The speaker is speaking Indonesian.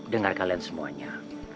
dengar kalian semuanya